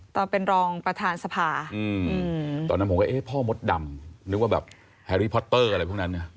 ตอนนั้นผมก็เอ๊ะพ่อมดดำนึกว่าแบบแฮรี่พอตเตอร์อะไรพวกนั้นเนี่ย